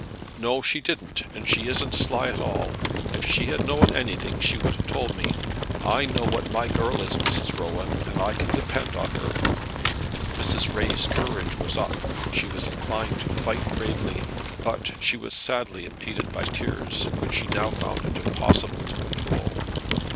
"No, she didn't, and she isn't sly at all. If she had known anything she would have told me. I know what my girl is, Mrs. Rowan, and I can depend on her." Mrs. Ray's courage was up, and she was inclined to fight bravely, but she was sadly impeded by tears, which she now found it impossible to control.